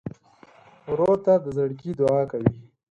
ورور ته د زړګي دعاء کوې.